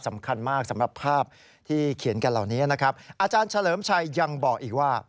สำคัญมากสำหรับภาพที่เขียนกันเหล่านี้นะครับอาจารย์เฉลิมชัยยังบอกอีกว่า